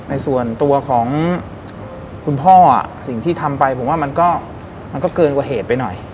ในส่วนตัวของคุณพ่อสิ่งที่ทำไปผมว่ามันก็เกินกว่าเหตุไปหน่อย